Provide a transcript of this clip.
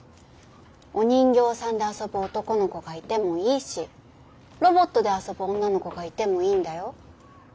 お人形さんで遊ぶ男の子がいてもいいしロボットで遊ぶ女の子がいてもいいんだよ。